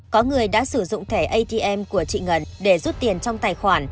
có người đã sử dụng thẻ atm của chị ngân để rút tiền trong tài khoản